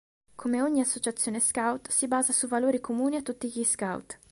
Come ogni associazione scout si basa su valori comuni a tutti gli scout.